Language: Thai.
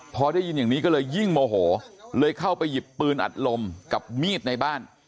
พอได้ยินอย่างนี้ก็เลยยิ่งโมโหเลยเข้าไปหยิบปืนอัดลมกับมีดในบ้าน